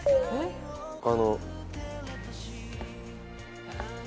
あの。